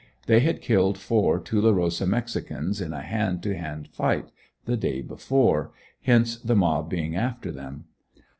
They had killed four Tulerosa mexicans, in a hand to hand fight, the day before, hence the mob being after them.